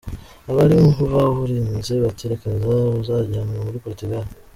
Abari bawurinze bati reka da, uzajyanwa muri Portugal.